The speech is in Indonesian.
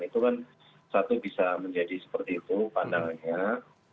itu kan satu bisa menjadi seperti itu pandangannya